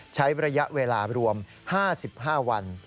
ใช้ระยะเวลารวม๕๕วัน